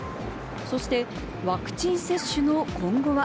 そしてワクチン接種の今後は？